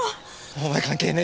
お前関係ねえ。